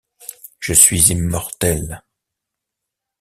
Je suis immortel.